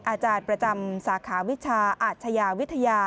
อาจารย์ประจำสาขาวิชาอาชญาวิทยา